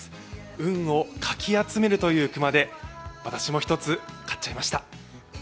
運をかき集めるという熊手、私も１つ買っちゃいました。